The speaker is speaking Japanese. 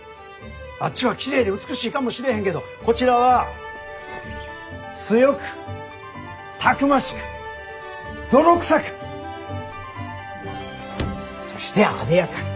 あっちはきれいで美しいかもしれへんけどこちらは「強く逞しく泥臭く」そして「艶やかに」。